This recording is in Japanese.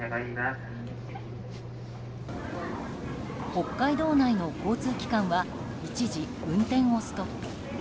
北海道内の交通機関は一時運転をストップ。